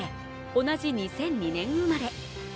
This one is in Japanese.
同じ２００２年生まれ。